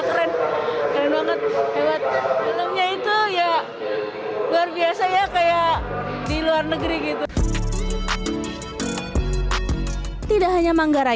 keren keren banget lewat filmnya itu ya luar biasa ya kayak di luar negeri gitu tidak hanya manggarai